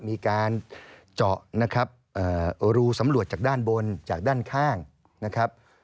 มีการเจาะนะครับรูสำรวจจากด้านบนจากด้านข้างนะครับ